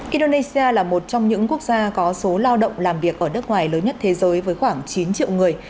indonesia là một trong những quốc gia có số lao động làm việc ở nước ngoài lớn nhất thế giới với khoảng chín triệu người